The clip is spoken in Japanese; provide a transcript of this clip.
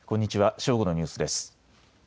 正午のニュースです。